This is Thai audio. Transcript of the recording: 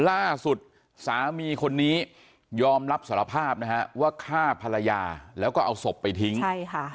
ล่าสุดสามีคนนี้ยอมรับสารภาพนะฮะว่าฆ่าภรรยาแล้วก็เอาศพไปทิ้งใช่ค่ะ